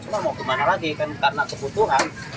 cuma mau kemana lagi kan karena kebutuhan